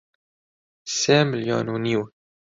سێ ملیۆن و نیو